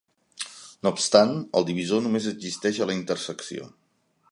No obstant, el divisor només existeix a la intersecció.